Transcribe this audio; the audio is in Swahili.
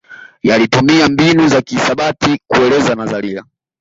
Yalitumia mbinu za kihisabati kueleza nadharia